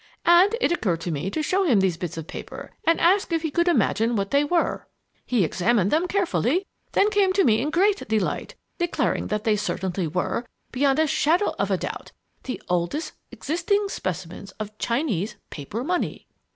And it occurred to me to show him these bits of paper and ask if he could imagine what they were. He examined them carefully and then came to me in great delight, declaring that they certainly were, beyond a shadow of doubt, the oldest existing specimens of Chinese _paper money!